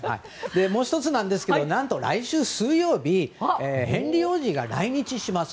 もう１つですが何と来週水曜日ヘンリー王子が来日します。